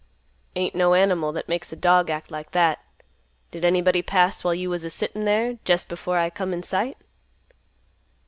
"Ain't no animal that makes a dog act like that. Did any body pass while you was a sittin' there, jest before I come in sight?"